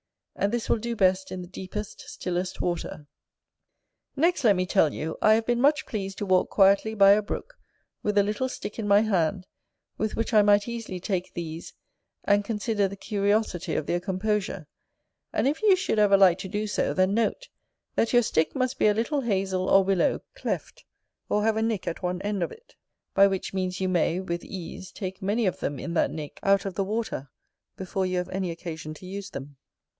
And this will do best in the deepest stillest water. Next, let me tell you, I have been much pleased to walk quietly by a brook, with a little stick in my hand, with which I might easily take these, and consider the curiosity of their composure: and if you should ever like to do so, then note, that your stick must be a little hazel, or willow, cleft, or have a nick at one end of it, by which means you may, with ease, take many of them in that nick out of the water, before you have any occasion to use them.